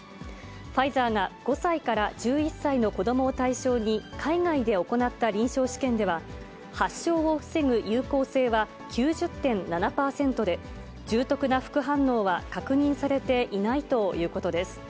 ファイザーが５歳から１１歳の子どもを対象に海外で行った臨床試験では、発症を防ぐ有効性は９０．７％で、重篤な副反応は確認されていないということです。